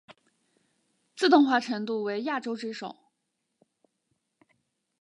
自动化程度为亚洲之首。